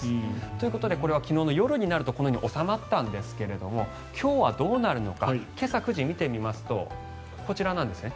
ということでこれは昨日の夜になるとこのように収まったんですが今日はどうなるのか今朝９時見てみますとこちらなんですね。